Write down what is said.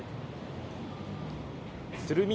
鶴見